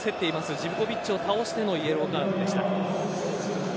ジヴコヴィッチを倒してのイエローカードでした。